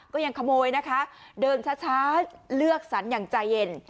ก็ยังขโมยนะคะเดินช้าเลือกสรรอย่างใจเย็น